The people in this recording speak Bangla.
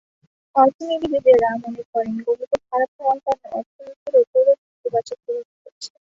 অর্থনীতিবিদেরা মনে করেন, গণিতে খারাপ হওয়ার কারণে অর্থনীতির ওপরও নেতিবাচক প্রভাব পড়ছে।